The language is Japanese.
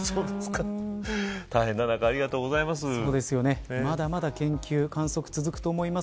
大変な中ありがとうございます。